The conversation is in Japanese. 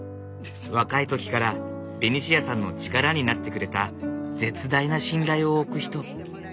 若い時からベニシアさんの力になってくれた絶大な信頼を置く人。